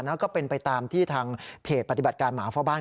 แล้วก็เป็นไปตามที่ทางเพจปฏิบัติการหมาเฝ้าบ้าน